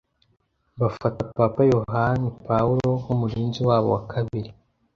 bafata Papa Yohani Pawulo nk'umurinzi wabo wa kabiri